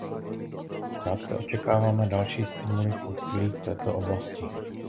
Krátce, očekáváme další stimuly k úsilí v této oblasti.